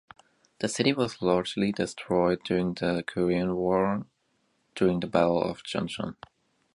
The city was largely destroyed during the Korean War during the Battle of Chuncheon.